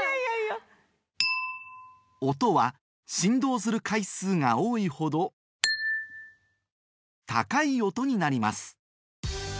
音は振動する回数が多いほど高い音になります